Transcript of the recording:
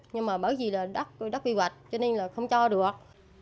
nhưng mà bởi vì là đất quy hoạch cho nên là không cho được